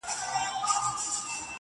په دې وطن کي په لاسونو د ملا مړ سوم~